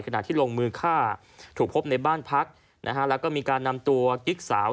ขณะที่ลงมือฆ่าถูกพบในบ้านพักนะฮะแล้วก็มีการนำตัวกิ๊กสาว